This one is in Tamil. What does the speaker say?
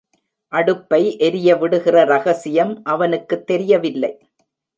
அடுப்பை எரியவிடுகிற ரகசியம் அவனுக்குத் தெரியவில்லை.